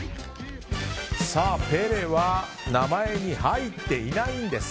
ペレは名前に入っていないんです。